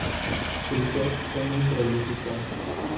Striker fue muy prolífico.